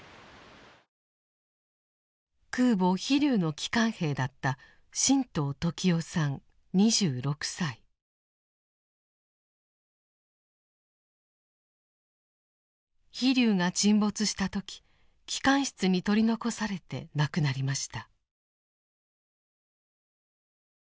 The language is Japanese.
空母「飛龍」の機関兵だった「飛龍」が沈没した時機関室に取り残されて亡くなりました。